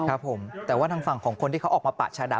ครับผมแต่ว่าทางฝั่งของคนที่เขาออกมาปะชาดะ